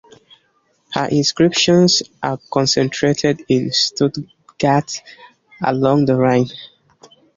Her inscriptions are concentrated in Stuttgart and along the Rhine.